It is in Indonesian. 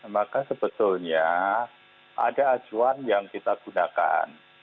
maka sebetulnya ada acuan yang kita gunakan